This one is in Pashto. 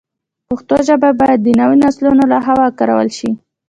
پښتو ژبه باید د نویو نسلونو له خوا وکارول شي.